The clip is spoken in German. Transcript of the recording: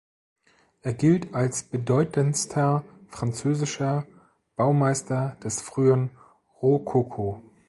Er gilt als bedeutendster französischer Baumeister des frühen Rokoko.